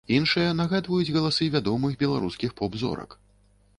Іншыя нагадваюць галасы вядомых беларускіх поп-зорак.